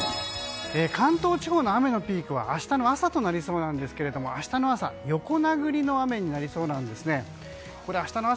関東地方の雨のピークは明日の朝となりそうなんですが明日の朝、横殴りの雨になりそうなんですね。